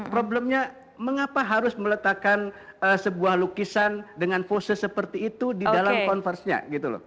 problemnya mengapa harus meletakkan sebuah lukisan dengan pose seperti itu di dalam konversinya gitu loh